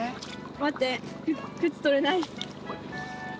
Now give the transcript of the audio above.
待って靴取れない。